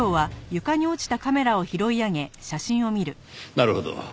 なるほど。